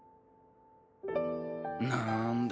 なんだ。